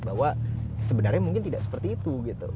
bahwa sebenarnya mungkin tidak seperti itu gitu